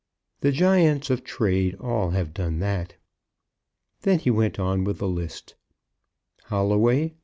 The giants of trade all have done that. Then he went on with the list: Holloway